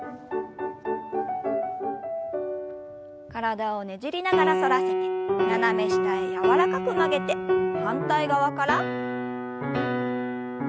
体をねじりながら反らせて斜め下へ柔らかく曲げて反対側から。